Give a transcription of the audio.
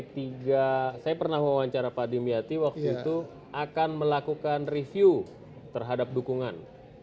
saya pernah wawancara pak dimyati waktu itu akan melakukan review terhadap dukungan